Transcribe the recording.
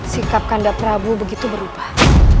sikap kanda prabu begitu berubah